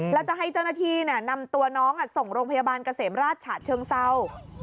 แล้วจะให้เจ้าหน้าที่นำตัวน้องส่งโรงพยาบาลเกษมราชฉะเชิงเศร้า